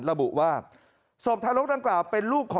ระบุว่าศพ